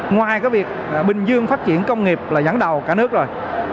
ngoài việc bình dương phát triển công nghiệp là dẫn đầu cả nước rồi